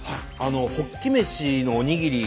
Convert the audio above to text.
ホッキ飯のおにぎり。